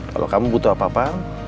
kalau kamu butuh apa apa